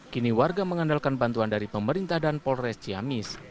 kini warga mengandalkan bantuan dari pemerintah dan polres ciamis